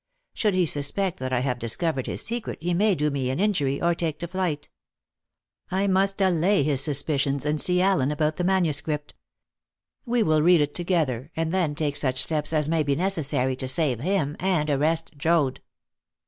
Should he suspect that I have discovered his secret, he may do me an injury, or take to flight. I must allay his suspicions, and see Allen about the manuscript. We will read it together, and then take such steps as may be necessary to save him and arrest Joad."